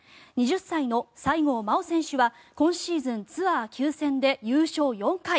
２０歳の西郷真央選手は今シーズン、ツアー９戦で優勝４回。